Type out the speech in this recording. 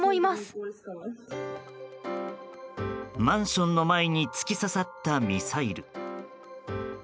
マンションの前に突き刺さったミサイル。